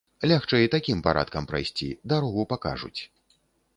Лягчэй такім парадкам прайсці, дарогу пакажуць.